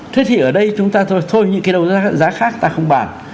thế thì ở đây chúng ta thôi những cái đấu giá khác ta không bàn